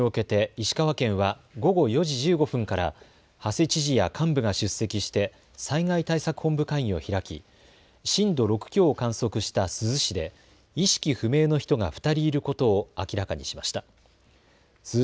今回の地震を受けて石川県は午後４時１５分から馳知事や幹部が出席して災害対策本部会議を開き震度６強を観測した珠洲市で意識不明の人が２人いることを明らかにしました。